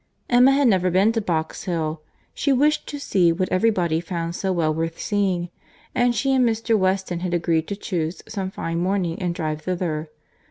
Emma had never been to Box Hill; she wished to see what every body found so well worth seeing, and she and Mr. Weston had agreed to chuse some fine morning and drive thither.